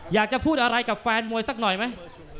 อยากจะพูดอะไรกับแฟนมวยสักหน่อยไหม